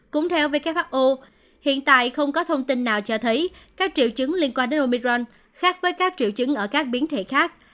cũng theo who hiện tại không có thông tin nào cho thấy các triệu chứng liên quan đến omiron khác với các triệu chứng ở các biến thể khác